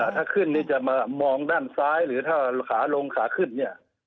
ถ้าขึ้นนี่จะมามองด้านซ้ายหรือถ้าขาลงขาขึ้นเนี่ย